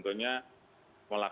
terima kasih pak